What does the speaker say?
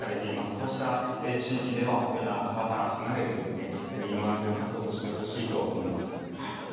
こうした地域では本当に川から離れて身の安全を確保してほしいと思います。